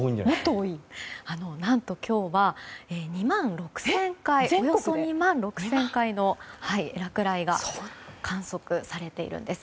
何と今日はおよそ２万６０００回の落雷が観測されているんです。